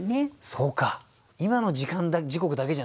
そうか今の時間時刻だけじゃないんだ。